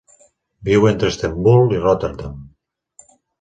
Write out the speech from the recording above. Viu entre Istanbul i Rotterdam.